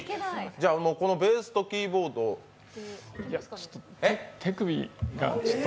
じゃ、ベースとキーボード手首がちょっと。